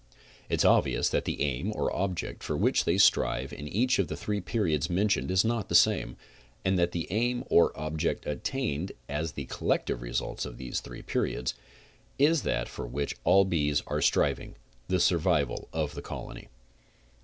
It is obvious that the aim or object for which they strive in each of the three periods mentioned is not the same, and that the aim or object attained as the collective result of these three periods, is that for which all bees are striving, the survival of the colony.